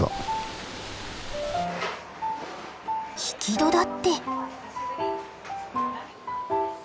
引き戸だって。